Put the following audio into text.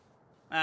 あ。